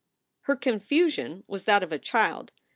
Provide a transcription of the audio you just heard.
Her confusion was that of a child.